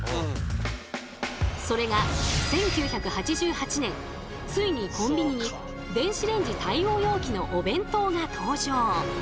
それが１９８８年ついにコンビニに電子レンジ対応容器のお弁当が登場。